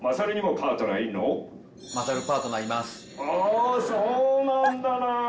おそうなんだな。